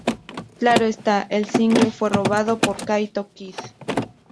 Claro está, el single fue robado por Kaito Kid.